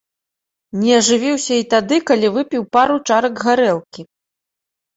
Не ажывіўся і тады, калі выпіў пару чарак гарэлкі.